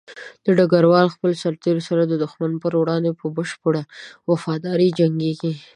ډګروال د خپلو سرتېرو سره د دښمن په وړاندې په بشپړه وفاداري جنګيږي.